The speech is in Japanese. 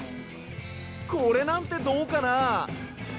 これなんてどうかな？